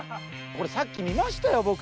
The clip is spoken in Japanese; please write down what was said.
これさっき見ましたよ？